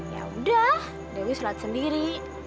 ya udah dewi sholat sendiri